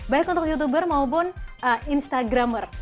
baik untuk youtuber maupun instagrammer